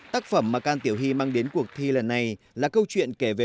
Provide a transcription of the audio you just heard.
tác phẩm mà can tiểu hy mang đến cuộc thi lần này là câu chuyện kể về